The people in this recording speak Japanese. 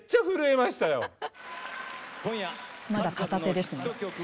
まだ片手ですね。